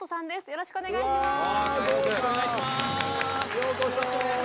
よろしくお願いします。